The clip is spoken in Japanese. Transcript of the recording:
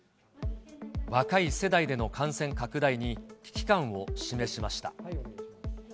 若い世代での感染拡大に、危機感を示しました。